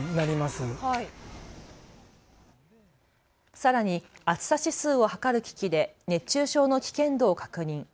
さらに暑さ指数を測る機器で熱中症の危険度を確認。